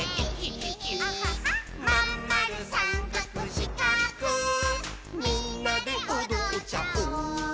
「まんまるさんかくしかくみんなでおどっちゃおう」